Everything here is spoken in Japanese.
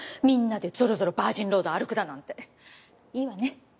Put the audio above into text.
みんなでぞろぞろバージンロード歩くだなんていいわね？